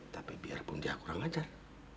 tapi biarpun dia kurang ajar